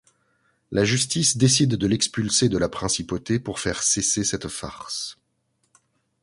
La justice décide de l’expulser de la Principauté pour faire cesser cette farce.